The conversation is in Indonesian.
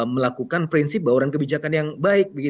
melakukan prinsip bauran kebijakan yang baik